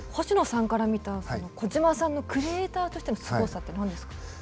星野さんから見た小島さんのクリエーターとしてのすごさって何ですか？